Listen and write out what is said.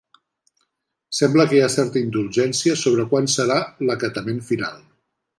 Sembla que hi ha certa indulgència sobre quan serà l'acatament final.